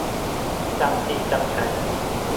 จ้ำจี้จ้ำไช